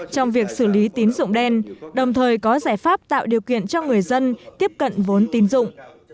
trong việc xử lý tín dụng đen đồng thời có giải pháp tạo điều kiện cho người dân tiếp cận vốn tín dụng